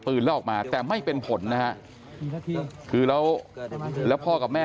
แล้วออกมาแต่ไม่เป็นผลนะฮะคือแล้วแล้วพ่อกับแม่